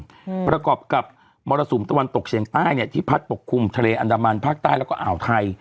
อืมประกอบกับมรสุมตะวันตกเฉียงใต้เนี้ยที่พัดปกคลุมทะเลอันดามันภาคใต้แล้วก็อ่าวไทย